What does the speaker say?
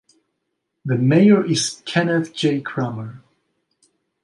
The mayor is Kenneth J. Cramer.